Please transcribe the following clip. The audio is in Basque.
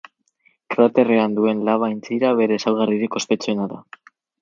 Kraterrean duen laba-aintzira bere ezaugarririk ospetsuena da.